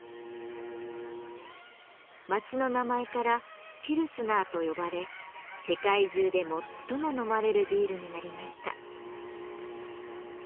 街の名前から「ピルスナー」と呼ばれ世界中で最も飲まれるビールになりました。